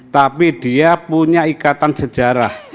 tapi dia punya ikatan sejarah